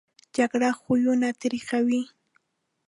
جګړه خویونه تریخوي